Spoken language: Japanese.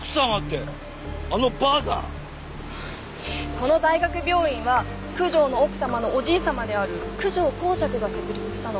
この大学病院は九条の奥様のおじい様である九条公爵が設立したの。